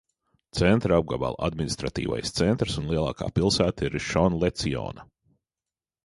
Centra apgabala administratīvais centrs un lielākā pilsēta ir Rišonlecijona.